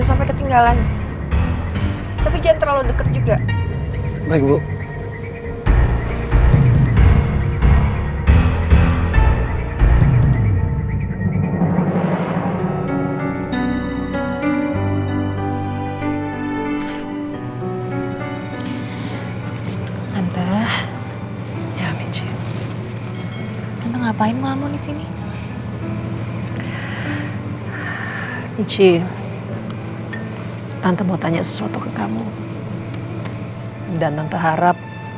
sampai jumpa di video selanjutnya